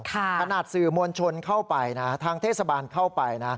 ขนาดสื่อมวลชนเข้าไปนะทางเทศบาลเข้าไปนะ